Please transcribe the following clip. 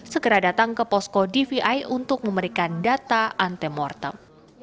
segera datang ke posko dvi untuk memberikan data antemortem